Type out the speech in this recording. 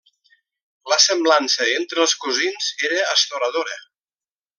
La semblança entre els cosins era astoradora.